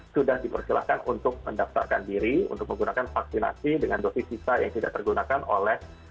sudah diperkirakan untuk mendaftarkan diri untuk menggunakan vaksinasi dengan dosis sisa yang tidak tergunakan oleh